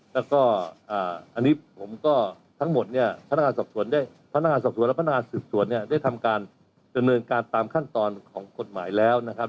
แล้วก็อันนี้ผมก็ทั้งหมดพนักงานสอบสวนพนักงานสอบสวนและพนักงานสืบสวนได้ทำการเจริญเนินการตามขั้นตอนของกฎหมายแล้วนะครับ